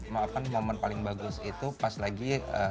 maafkan momen paling bagus itu pas lagi